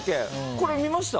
これ見ました？